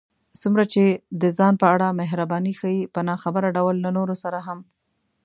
څومره چې د ځان په اړه محرباني ښيې، په ناخبره ډول له نورو سره هم